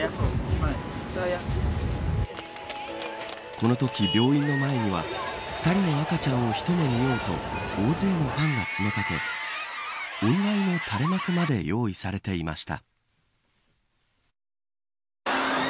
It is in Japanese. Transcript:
このとき病院の前には２人の赤ちゃんを一目見ようと大勢のファンが詰めかけお祝いの垂れ幕まで用意されていました。